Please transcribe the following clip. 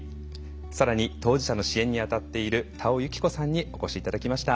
さらに当事者の支援にあたっている田尾有樹子さんにお越しいただきました。